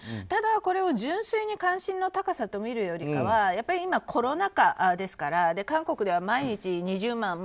ただ、これを純粋に関心の高さと見るよりかは今、コロナ禍ですから韓国では毎日２０万